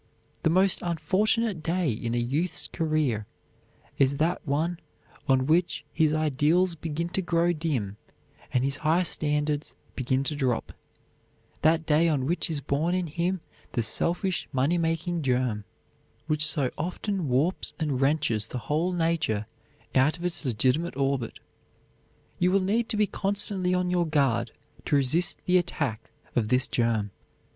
The most unfortunate day in a youth's career is that one on which his ideals begin to grow dim and his high standards begin to drop; that day on which is born in him the selfish, money making germ, which so often warps and wrenches the whole nature out of its legitimate orbit. You will need to be constantly on your guard to resist the attack of this germ.